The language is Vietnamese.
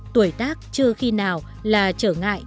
tuổi tác chưa khi nào là trở ngại